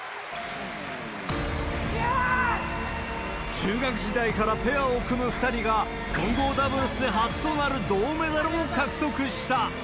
中学時代からペアを組む２人が、混合ダブルスで初となる銅メダルを獲得した。